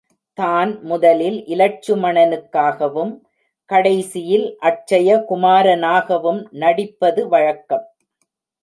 தான் முதலில் இலட்சுமணனுகவும் கடைசியில் அட்சய குமாரனாகவும் நடிப்பது வழக்கம்.